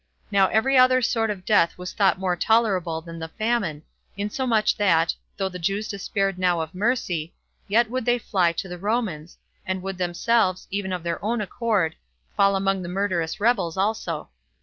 Now every other sort of death was thought more tolerable than the famine, insomuch that, though the Jews despaired now of mercy, yet would they fly to the Romans, and would themselves, even of their own accord, fall among the murderous rebels also.